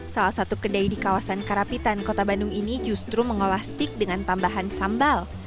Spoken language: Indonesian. salah satu kedai di kawasan karapitan kota bandung ini justru mengolah stik dengan tambahan sambal